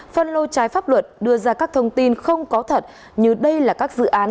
phân lô trái pháp luật đưa ra các thông tin không có thật như đây là các dự án